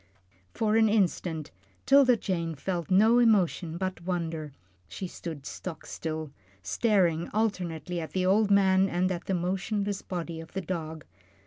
For an instant 'Tilda Jane felt no emotion but wonder. She stood stock still, staring alternately at the old man and at the motionless body of the dog.